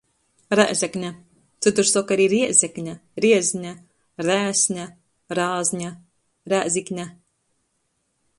Rēzekne, cytur soka ari Riezekne, Riezne, Rēsne, Rāzņa, Rēzikne.